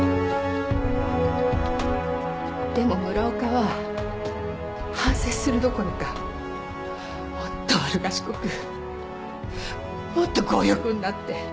でも村岡は反省するどころかもっと悪賢くもっと強欲になって。